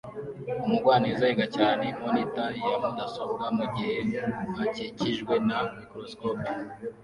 Umugwaneza yiga cyane monitor ya mudasobwa mugihe akikijwe na microscope